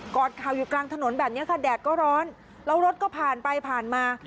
อดข่าวอยู่กลางถนนแบบนี้ค่ะแดดก็ร้อนแล้วรถก็ผ่านไปผ่านมา